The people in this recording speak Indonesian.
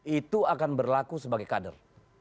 itu akan berlaku sebagai kader